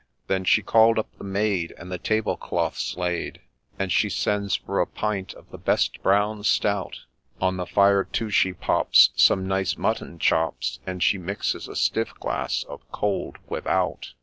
Then she calls up the maid and the table cloth 's laid, And she sends for a pint of the best Brown Stout ; On the fire, too, she pops some nice mutton chops, And she mixes a stiff glass of ' Cold Without.'